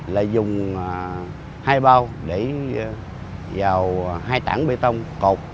là dùng hai bao để vào hai tảng bê tông cột